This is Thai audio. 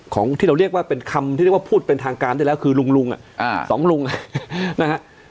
ของเราที่เราเรียกว่าเป็นคำที่เรียกว่าพูดเป็นทางการได้แล้วคือลุงลุงสองลุงนะฮะ